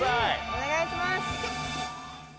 お願いします。